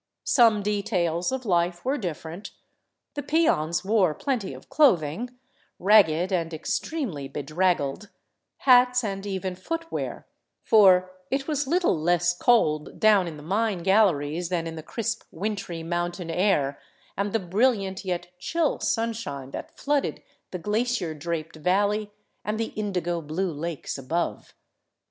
Some details of life were different; the peons wore plenty of clothing, ragged and extremely bedraggled, hats, and even footwear, for it was little less cold down in the mine galleries than in the crisp, wintry mountain air and the brilliant yet chill sunshine that flooded the glacier draped valley and the indigo blue lakes above.